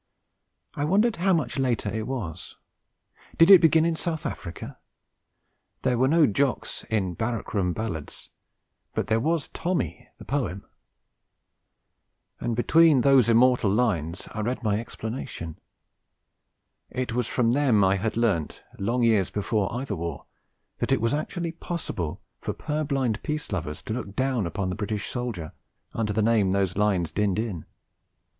I wondered how much later it was. Did it begin in South Africa? There were no Jocks in Barrack Room Ballads; but there was 'Tommy,' the poem; and between those immortal lines I read my explanation. It was from them I had learnt, long years before either war, that it was actually possible for purblind peace lovers to look down upon the British soldier, under the name those lines dinned in.